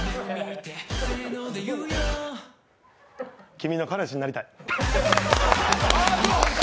君の彼氏になりたい。